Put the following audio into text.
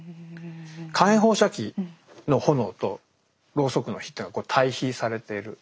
火炎放射器の炎とロウソクの火というのが対比されてる。